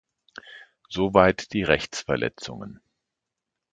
Soweit die Rechtsverletzungen.